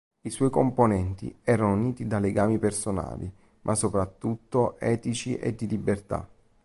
I suoi componenti erano uniti da legami personali, ma soprattutto etici e di libertà.